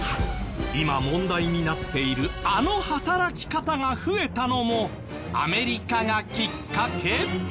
今問題になっているあの働き方が増えたのもアメリカがきっかけ？